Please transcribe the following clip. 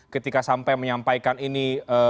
ketika sampai menyampaikan ini